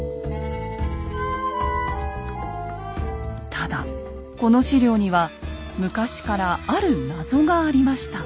ただこの史料には昔からある謎がありました。